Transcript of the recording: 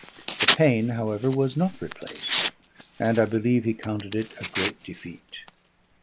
The pane, however, was not replaced; and I believe he counted it a great defeat.